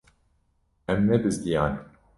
Em nebizdiyane.